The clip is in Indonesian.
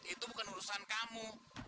itu bukan urusan kamu